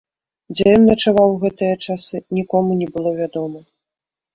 Дзе ён начаваў у гэтыя часы, нікому не было вядома.